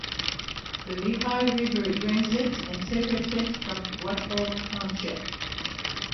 The Lehigh River drains it and separates it from Whitehall Township.